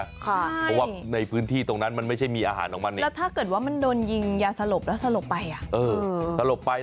เพราะว่าในพื้นที่ตรงนั้นมันไม่ใช่มีอาหารของมันเนี่ยแล้วถ้าเกิดว่ามันโดนยิงยาสลบแล้วสลบไปอ่ะ